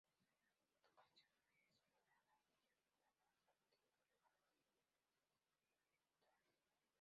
Recibió una educación muy esmerada y orientada al cultivo de los valores espirituales.